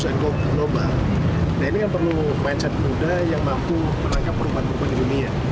nah ini kan perlu mindset muda yang mampu menangkap perubahan perubahan di dunia